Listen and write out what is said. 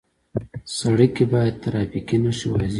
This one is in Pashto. سړک کې باید ټرافیکي نښې واضح وي.